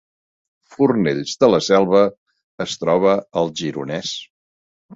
Fornells de la Selva es troba al Gironès